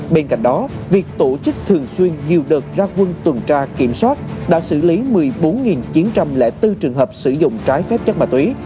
bên cạnh đó việc tổ chức thường xuyên nhiều đợt ra quân tuần tra kiểm soát đã xử lý một mươi bốn chín trăm linh bốn trường hợp sử dụng trái phép chất ma túy